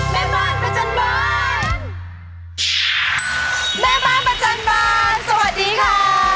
แม่บ้านประจำบานสวัสดีค่ะ